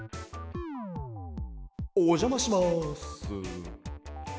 おじゃまします。